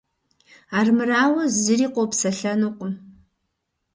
Армырауэ, зыри къопсэлъэнукъым.